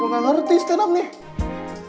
gua gak ngerti stand up nih